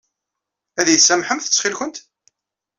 Ad iyi-tsamḥemt ttxil-kent?